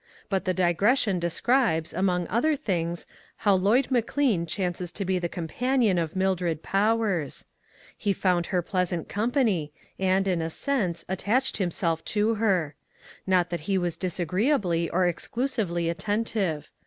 But the digression describes, among other things, how Lloyd McLean chances to be the com panion of Mildred Powers. He found her 74 SOCIETY CIRCLES. 75 pleasant company, and, in a sense, attached himself to her. Not that he was disagree ably or exclusively attentive.